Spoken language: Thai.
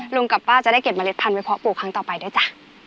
ลุงกับป้าจะได้เก็บเมล็ดพันธุเพาะปลูกครั้งต่อไปด้วยจ้ะ